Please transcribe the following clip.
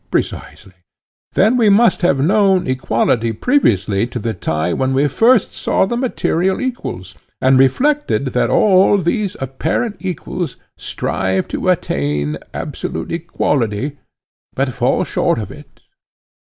Precisely. Then we must have known equality previously to the time when we first saw the material equals, and reflected that all these apparent equals strive to attain absolute equality, but fall short of it?